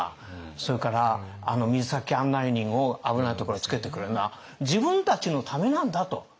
それから水先案内人を危ないところにつけてくれるのは自分たちのためなんだと。